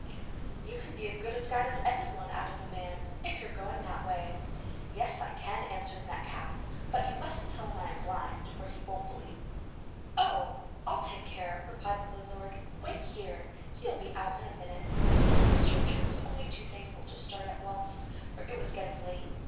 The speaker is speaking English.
'You can be as good a guide as anybody,' added the man, 'if you are going that way.' 'Yes, I can,' answered Metcalfe; 'but you mustn't tell him I am blind, or he won't believe it.' 'Oh! I'll take care,' replied the landlord. 'Wait here! he will be out in a minute,' and the stranger was only too thankful to start at once, for it was getting late.